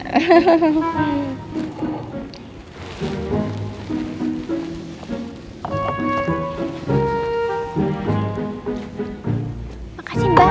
terima kasih mbak